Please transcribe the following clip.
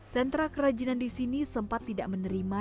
sentra kerajinan di sini sempat tidak menerima